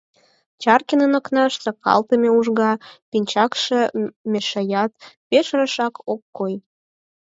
Чаркинын окнаш сакалтыме ужга пинчакше мешаят, пеш рашак ок кой.